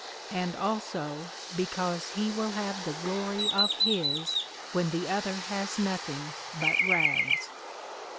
And also because he will have the Glory of his, when the other has nothing but Rags.